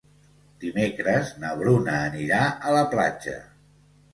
Dimecres na Bruna anirà a la platja.